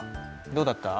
どうだった？